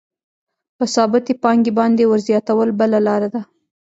په ثابتې پانګې باندې ورزیاتول بله لاره ده